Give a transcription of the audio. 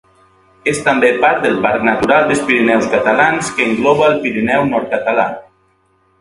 És també part del Parc Natural dels Pirineus catalans, que engloba el Pirineu nord-català.